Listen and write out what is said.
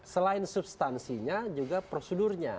selain substansinya juga prosedurnya